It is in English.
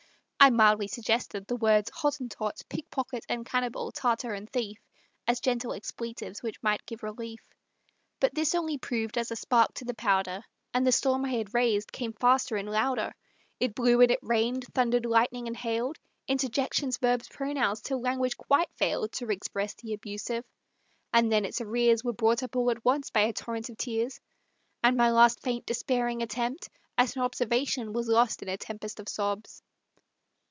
I mildly suggested the words Hottentot, Pickpocket, and cannibal, Tartar, and thief, As gentle expletives which might give relief; But this only proved as a spark to the powder, And the storm I had raised came faster and louder; It blew and it rained, thundered, lightened and hailed Interjections, verbs, pronouns, till language quite failed To express the abusive, and then its arrears Were brought up all at once by a torrent of tears, And my last faint, despairing attempt at an obs Ervation was lost in a tempest of sobs.